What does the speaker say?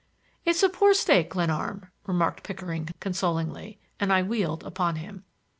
"It's a poor stake, Glenarm," remarked Pickering consolingly, and I wheeled upon him.